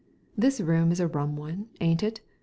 This room's a rum one, ain't it